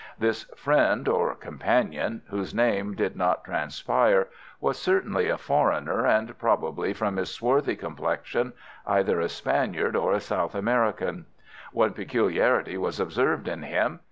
This friend or companion, whose name did not transpire, was certainly a foreigner, and probably, from his swarthy complexion, either a Spaniard or a South American. One peculiarity was observed in him.